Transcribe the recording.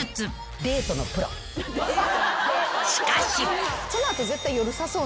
［しかし！］